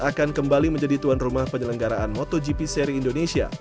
akan kembali menjadi tuan rumah penyelenggaraan motogp seri indonesia